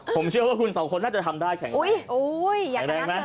ผมเชื่อว่าคุณสองคนน่าจะทำได้แข็งแรงไหม